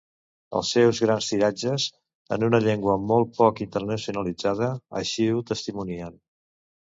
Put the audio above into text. Els seus grans tiratges, en una llengua molt poc internacionalitzada, així ho testimonien.